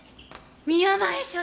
宮前所長